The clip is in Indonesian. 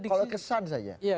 kalau kesan saja